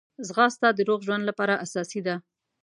ځغاسته د روغ ژوند لپاره اساسي ده